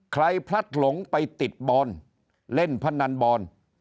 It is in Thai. พลัดหลงไปติดบอลเล่นพนันบอล